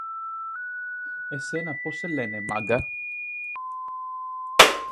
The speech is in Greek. Εσένα πώς σε λένε; Μάγκα.